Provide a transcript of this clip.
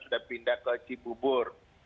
sudah pindah ke cibubur